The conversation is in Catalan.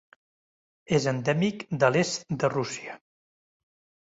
És endèmic de l'est de Rússia.